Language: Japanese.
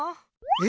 え？